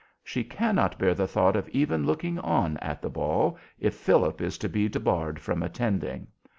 She cannot bear the thought of even looking on at the ball, if Philip is to be debarred from attending.